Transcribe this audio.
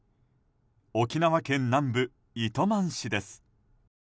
沖縄県南部、糸満市です。